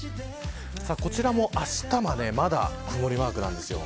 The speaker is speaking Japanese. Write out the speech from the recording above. こちらも、あしたはまだ曇りマークです。